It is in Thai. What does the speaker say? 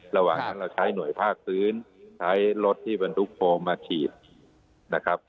ระหว่างนั้นเราใช้หน่วยภาคพื้นใช้รถที่บรรทุกโฟมมาฉีดนะครับ